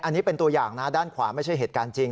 อันนี้เป็นตัวอย่างนะด้านขวาไม่ใช่เหตุการณ์จริง